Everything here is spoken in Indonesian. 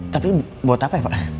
tapi buat apa pak